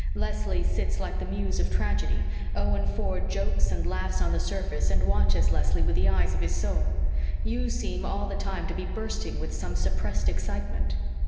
Leslie sits like the muse of tragedy; Owen Ford jokes and laughs on the surface, and watches Leslie with the eyes of his soul. You seem all the time to be bursting with some suppressed excitement.